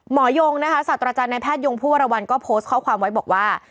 ยงนะคะสัตว์อาจารย์ในแพทยงผู้วรวรรณก็โพสต์ข้อความไว้บอกว่า